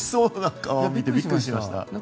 でも、びっくりしました。